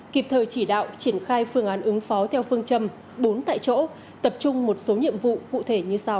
kịp thời chỉ đạo triển khai phương án ứng phó theo phương châm bốn tại chỗ tập trung một số nhiệm vụ cụ thể như sau